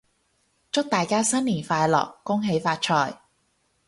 祝大家新年快樂！恭喜發財！